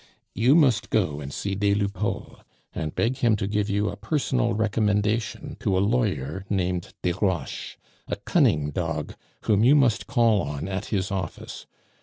"You must go and see des Lupeaulx, and beg him to give you a personal recommendation to a lawyer named Desroches, a cunning dog, whom you must call on at his office.